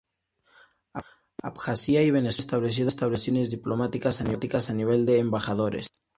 Abjasia y Venezuela han establecido relaciones diplomáticas a nivel de embajadores.